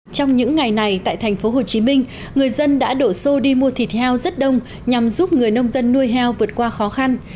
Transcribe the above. trong những ngày này tại thành phố hồ chí minh người dân đã đổ xô đi mua thịt heo rất đông nhằm giúp người nông dân nuôi heo vượt qua khó khăn